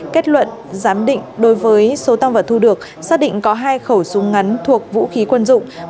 kết luận giám định đối với số tăng vật thu được xác định có hai khẩu súng ngắn thuộc vũ khí quân dụng